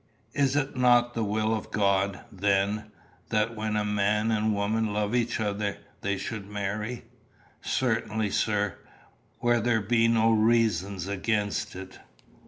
"Is it not the will of God, then, that when a man and woman love each other, they should marry?" "Certainly, sir where there be no reasons against it."